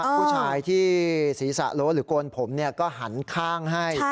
ผู้ชายที่ศีรษะโล้นหรือโกนผมก็หันข้างให้